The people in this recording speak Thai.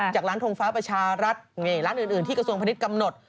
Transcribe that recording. จากร้านทงฟ้าประชารัฐนี่ร้านอื่นที่กระทรวงพนิษฐ์กำหนด